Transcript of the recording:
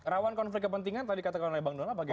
rawan konflik kepentingan tadi katakan oleh bang nona